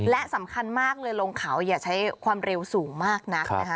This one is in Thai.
และสำคัญมากเลยลงเขาอย่าใช้ความเร็วสูงมากนักนะคะ